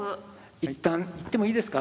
一旦いってもいいですか？